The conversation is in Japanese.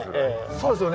そうですよね？